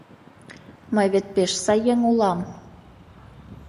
Мый вет пеш сай еҥ улам.